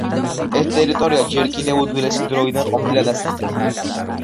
ეს ტერიტორია ჯერ კიდევ უძველესი დროიდან ყოფილა დასახლებული.